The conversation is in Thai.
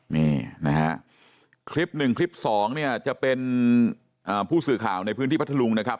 นี่นะฮะคลิปหนึ่งคลิปสองเนี่ยจะเป็นผู้สื่อข่าวในพื้นที่พัทธลุงนะครับ